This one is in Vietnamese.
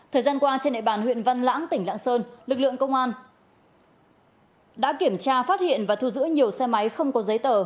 thời gian qua trên địa bàn huyện văn lãng tỉnh lạng sơn lực lượng công an đã kiểm tra phát hiện và thu giữ nhiều xe máy không có giấy tờ